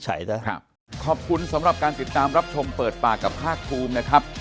ขอบคุณสำหรับการติดตามรับชมเปิดปากกับภาคภูมินะครับ